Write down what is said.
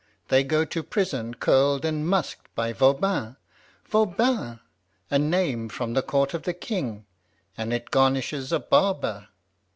They go to prison curled and musked by Voban. VOBAN a name from the court of the King, and it garnishes a barber.